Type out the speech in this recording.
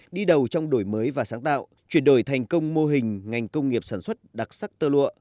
đi đầu trong đổi mới và sáng tạo chuyển đổi thành công mô hình ngành công nghiệp sản xuất đặc sắc tơ lụa